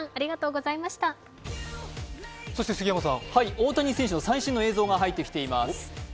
大谷選手の最新の映像が入ってきています。